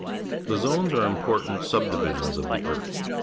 The zones are important subdivisions of the earth.